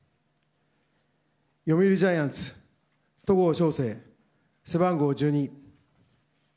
読売ジャイアンツ戸郷翔征、背番号１２。